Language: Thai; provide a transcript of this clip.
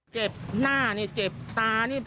เจ็บหน้านี่เจ็บตานี่